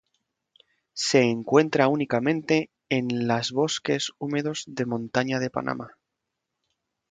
Se encuentra únicamente en las bosques húmedos de montaña de Panamá.